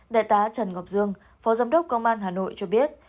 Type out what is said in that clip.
đại tá trần ngọc dương phó giám đốc công an hà nội cho biết